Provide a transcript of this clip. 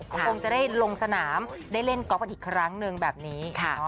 คงจะได้ลงสนามได้เล่นก๊อฟกันอีกครั้งหนึ่งแบบนี้